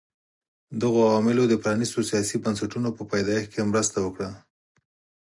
دغو عواملو د پرانیستو سیاسي بنسټونو په پیدایښت کې مرسته وکړه.